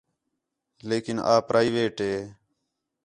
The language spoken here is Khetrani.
لیکن آ پرائیویٹ ہے